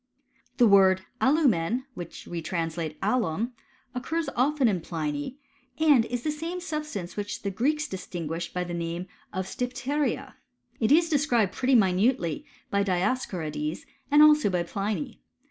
The word alumen^ which we translate alum, occurs often in Pliny ; and is the same substance which the Greeks distinguished by the nameof <rrv?rrijpto(s^y/?^ma). It is described pretty minutely by Dioscorides, and also by Pliny.